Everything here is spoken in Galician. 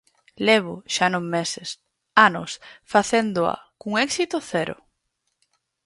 Levo, xa non meses; anos, facéndoa, cun éxito cero.